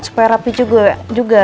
supaya rapi juga